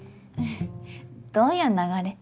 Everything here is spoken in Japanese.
どういう流れ？